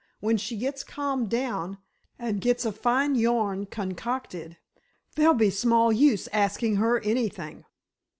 When she gets calmed down, and gets a fine yarn concocted, there'll be small use asking her anything!"